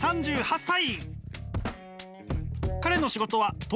３８歳。